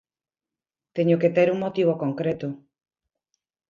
Teño que ter un motivo concreto.